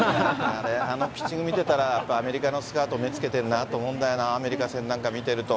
あのピッチング見てたら、やっぱりアメリカのスカウト、目つけてるなと思うんだよな、アメリカ戦なんか見てると。